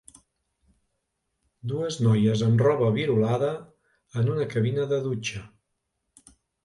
Dues noies amb roba virolada en una cabina de dutxa.